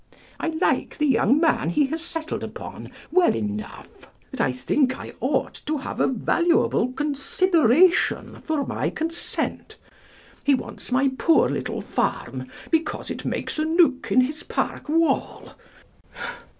I like the young man he has settled upon well enough, but I think I ought to have a valuable consideration for my consent. He wants my poor little farm because it makes a nook in his park wall.